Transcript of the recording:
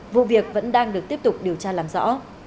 vụ việc vẫn đang được tiếp tục điều tra làm rõ